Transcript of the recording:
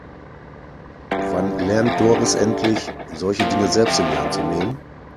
Wann lernt Doris endlich, solche Dinge selbst in die Hand zu nehmen?